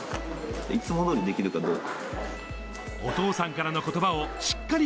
いつもどおりできるかどうか。